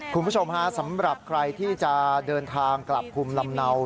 คุณผู้ชมฮะสำหรับใครที่จะเดินทางกลับภูมิลำเนา